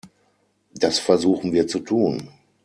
Das versuchen wir zu tun.